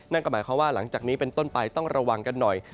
นั่นก็หมายความว่าหลังจากนี้เป็นต้นไปต้องระวังกันหน่อย